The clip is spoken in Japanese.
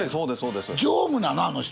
常務なのあの人？